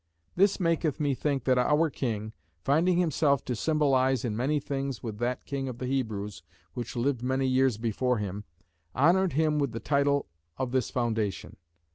This maketh me think that our king, finding himself to symbolize in many things with that king of the Hebrews (which lived many years before him), honored him with the title of this foundation.